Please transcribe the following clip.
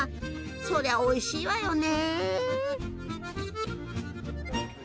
そりゃおいしいわよね！